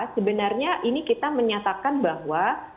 sebenarnya ini kita menyatakan bahwa